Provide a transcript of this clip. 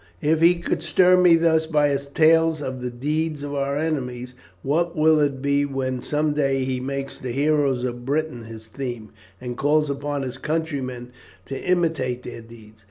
"If he could stir me thus by his tales of the deeds of our enemies, what will it be when some day he makes the heroes of Britain his theme, and calls upon his countrymen to imitate their deeds!